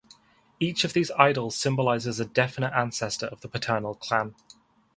Each of these idols symbolizes a definite ancestor of the paternal clan.